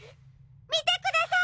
みてください！